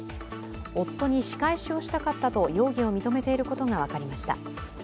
夫に仕返しをしたかったと容疑を認めていることが分かりました。